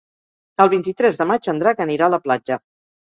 El vint-i-tres de maig en Drac anirà a la platja.